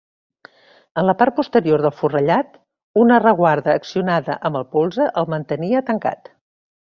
En la part posterior del forrellat, una reguarda accionada amb el polze el mantenia tancat.